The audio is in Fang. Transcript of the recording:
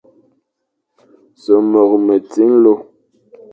Sè môr meti nlô.